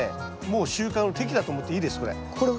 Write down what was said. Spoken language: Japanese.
もう収穫の適期だと思っていいですこれ。